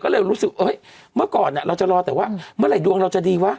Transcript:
ก็เลยรู้สึกเมื่อก่อนเราจะรอแต่ว่าเมื่อไหร่ดวงเราจะดีวะ